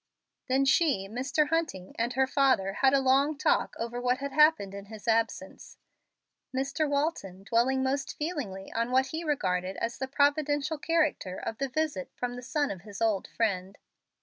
Then she, Mr. Hunting, and her father had a long talk over what had happened in his absence, Mr. Walton dwelling most feelingly on what he regarded as the providential character of the visit from the son of his old friend.